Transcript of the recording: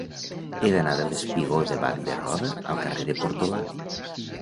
He d'anar del espigó de Bac de Roda al carrer de Portolà.